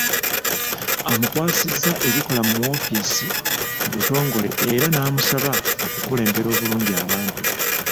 Amukwasizza ebikola mu woofiisi mu butongole era n’amusaba okukulembera obulungi abantu.